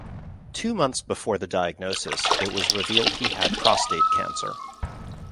Two months before the diagnosis, it was revealed he had prostate cancer.